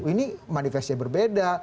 ini manifestnya berbeda